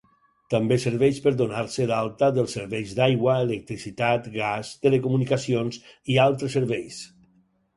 També serveix per donar-se d'alta dels serveis d'aigua, electricitat, gas, telecomunicacions i altres serveis.